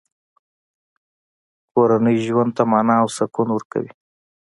کورنۍ ژوند ته مانا او سکون ورکوي.